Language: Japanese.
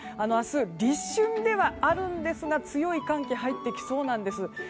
明日、立春ではあるんですが強い寒気が入ってきそうです。